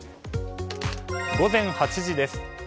午前８時です。